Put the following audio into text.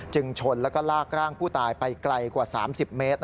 ชนแล้วก็ลากร่างผู้ตายไปไกลกว่า๓๐เมตร